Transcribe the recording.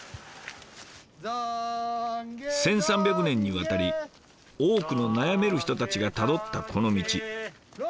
１，３００年にわたり多くの悩める人たちがたどったこの道。